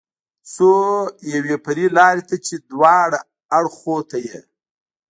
څو یوې فرعي لارې ته چې دواړو اړخو ته یې.